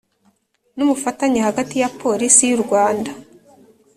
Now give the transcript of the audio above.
n ubufatanye hagati ya Polisi y u Rwanda